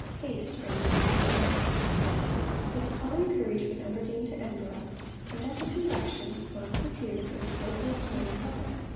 Haste, ere you come too late.' His colleague hurried from Aberdeen to Edinburgh, and at his induction Knox appeared and spoke once more in public.